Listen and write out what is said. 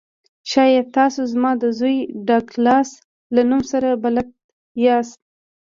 شاید تاسو زما د زوی ډګلاس له نوم سره بلد یاست